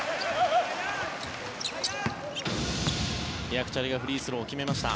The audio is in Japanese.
ヤクチャリがフリースローを決めました。